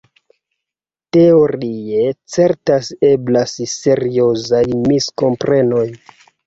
Teorie certas eblas seriozaj miskomprenoj.